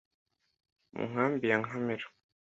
mu nkambi ya Nkamira